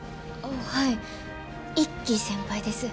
はい１期先輩です。